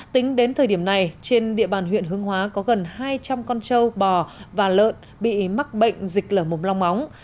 tính đến thời điểm này trên địa bàn huyện hương hóa có gần hai trăm linh con trâu bò và lợn bị mắc bệnh dịch lở mồm long móng